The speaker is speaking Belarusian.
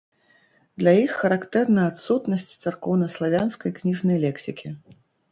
Для іх характэрна адсутнасць царкоўнаславянскай кніжнай лексікі.